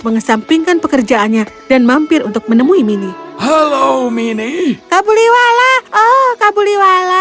mengesampingkan pekerjaannya dan mampir untuk menemui mini halo mini kabuliwala oh kabuliwala